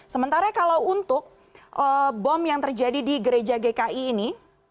sementara kalau untuk bom yang terjadi di gereja gki ini